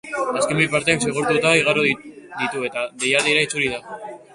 Azken bi partidak zigortuta igaro ditu eta deialdira itzuli da.